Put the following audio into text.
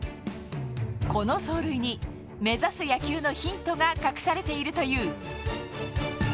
この走塁に目指す野球のヒントが隠されているという。